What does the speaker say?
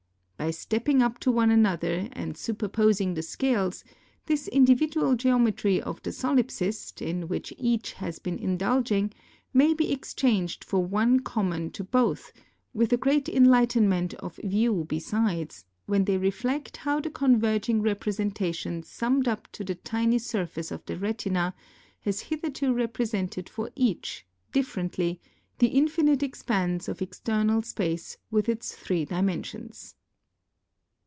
By stepping up to one another and superposing the scales, this individual geometry of the solipsist in which each has been indulging may be exchanged for one common to both, with a great enlightenment of view besides, when they reflect how the converging representation summed up on the tiny surface of the retina, has hitherto repre sented for each, differently, the infinite expanse of external space with its three dimensions.